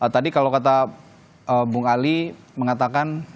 tadi kalau kata bung ali mengatakan